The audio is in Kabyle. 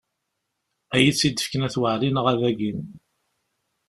Ad iyi-tt-id-fken At Waɛli neɣ ad agin.